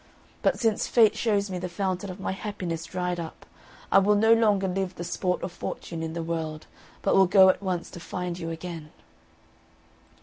But since fate shows me the fountain of my happiness dried up, I will no longer live the sport of fortune in the world, but will go at once to find you again!"